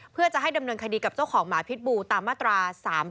เพื่อจะให้ดำเนินคดีกับเจ้าของหมาพิษบูตามมาตรา๓๔